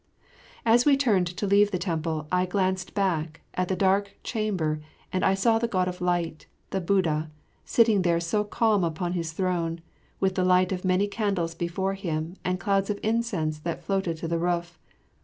[Illustration: Mylady10.] As we turned to leave the temple I glanced back at the great dark chamber and I saw the God of Light, the Buddha, sitting there so calm upon his throne, with the light of many candles before him and clouds of incense that floated to the roof.